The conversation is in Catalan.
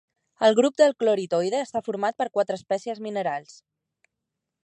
El grup del cloritoide està format per quatre espècies minerals.